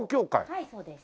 はいそうです。